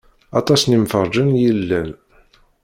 Aṭas n yemferrǧen i yellan.